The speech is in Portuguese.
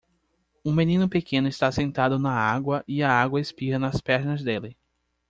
Um menino pequeno está sentado na água e a água espirra nas pernas dele.